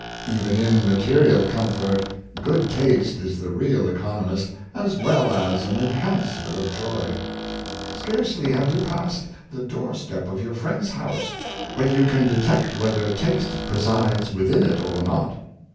Even in material comfort, good taste is the real econ omist, as well as an enhancer of joy. Scarcely have you passed the door step of your friend's house, when you can detect whether taste presides within it or not.